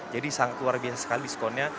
jadi sangat luar biasa sekali diskonnya